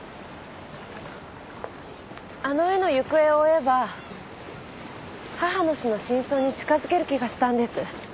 あの絵の行方を追えば母の死の真相に近付ける気がしたんです。